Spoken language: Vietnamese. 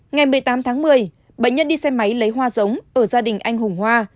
ngày một mươi tám tháng một mươi bệnh nhân đi xe máy lấy hoa giống ở gia đình anh hùng hoa